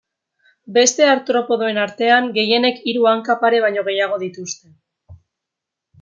Beste artropodoen artean gehienek hiru hanka pare baino gehiago dituzte.